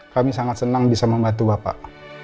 kami sangat senang bisa membantu bapak